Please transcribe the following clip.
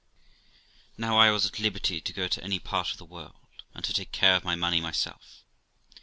Now I was at liberty to go to any part of the world, and take care of my money myself.